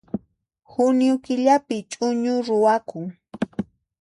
Junio killapi ch'uñu ruwakun